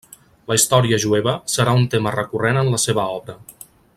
La història jueva serà un tema recurrent en la seva obra.